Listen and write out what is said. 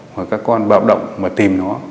mà các con bạo động mà tìm nó